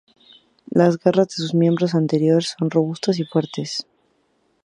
Las garras de sus miembros anterior son robustas y fuertes.